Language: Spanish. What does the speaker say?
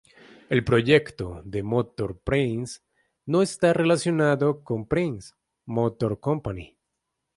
El proyecto de motor Prince no está relacionado con Prince Motor Company.